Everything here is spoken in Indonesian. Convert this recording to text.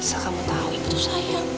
asal kamu tau itu sayang